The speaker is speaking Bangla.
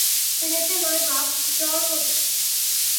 রেতে লয় বাপ, জ্বর হবে।